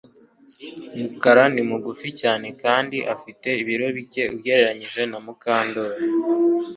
Mukara ni mugufi cyane kandi afite ibiro bike ugereranije na Mukandoli